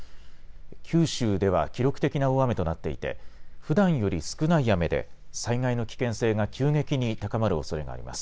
九州では記録的な大雨となっていてふだんより少ない雨で災害の危険性が急激に高まるおそれがあります。